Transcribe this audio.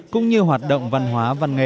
cũng như hoạt động văn hóa văn nghệ